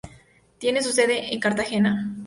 Tiene su sede en Cartagena.